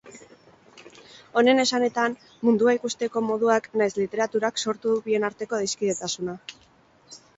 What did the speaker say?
Honen esanetan, mundua ikusteko moduak nahiz literaturak sortu du bien arteko adiskidetasuna.